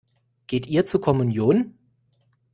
Geht ihr zur Kommunion?